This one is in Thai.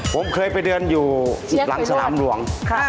ผมเคยไปเดินอยู่หลังสนามหลวง